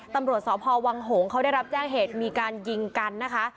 ตำรวจสพวังหงเขาได้รับแจ้งเหตุมีการยิงกันนะคะ